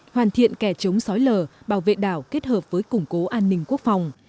hoàn thiện kẻ chống sói lờ bảo vệ đảo kết hợp với củng cố an ninh quốc phòng